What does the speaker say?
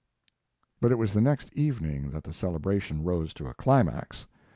But it was the next evening that the celebration rose to a climax.